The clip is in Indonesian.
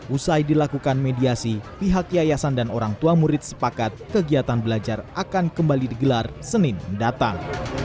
usai dilakukan mediasi pihak yayasan dan orang tua murid sepakat kegiatan belajar akan kembali digelar senin mendatang